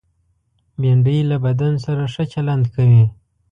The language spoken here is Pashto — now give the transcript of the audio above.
بېنډۍ له بدن سره ښه چلند کوي